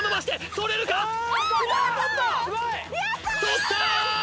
取った！